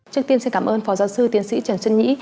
trước tiên xin cảm ơn phó giáo sư tiến sĩ trần xuân nhị